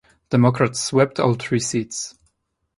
Democrats swept all three seats.